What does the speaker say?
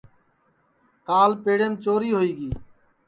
کال پیڑیم چوری ہوئی گی